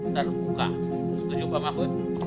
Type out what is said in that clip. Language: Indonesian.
terbuka setuju pak mahfud